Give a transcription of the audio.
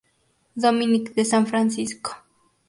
Dominic de San Francisco.